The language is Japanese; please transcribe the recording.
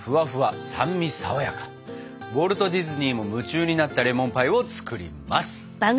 ウォルト・ディズニーも夢中になったレモンパイを作ります。